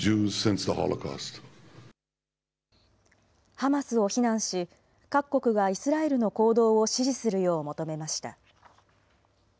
ハマスを非難し、各国がイスラエルの行動を支持するよう求めました。